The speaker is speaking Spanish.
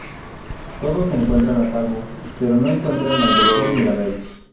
Todos se encuentran a salvo, pero no encuentran al doctor Mirabel.